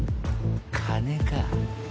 金か？